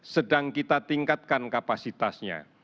sedang kita tingkatkan kapasitasnya